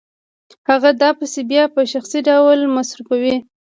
هغه دا پیسې بیا په شخصي ډول مصرفوي